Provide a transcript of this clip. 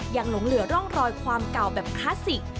หลงเหลือร่องรอยความเก่าแบบคลาสสิก